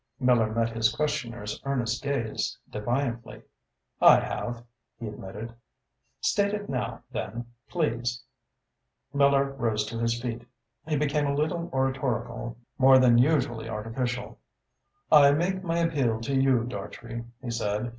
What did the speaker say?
Miller met his questioner's earnest gaze defiantly. "I have," he admitted. "State it now, then, please." Miller rose to his feet. He became a little oratorical, more than usually artificial. "I make my appeal to you, Dartrey," he said.